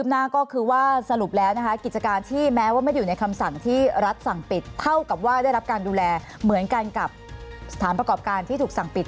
น้อยขออภัยนะคะเบื้องต้นขอบคุณนะคะ